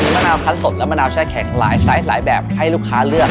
มะนาวคันสดและมะนาวแช่แข็งหลายไซส์หลายแบบให้ลูกค้าเลือก